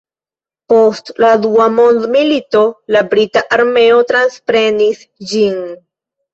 Post la dua mondmilito la brita armeo transprenis ĝin.